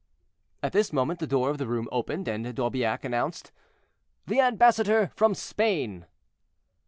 At this moment the door of the room opened, and D'Aubiac announced, "The ambassador from Spain."